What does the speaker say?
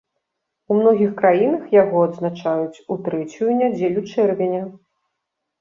У многіх краінах яго адзначаюць у трэцюю нядзелю чэрвеня.